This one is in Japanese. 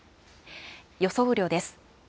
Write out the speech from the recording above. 予想雨量です。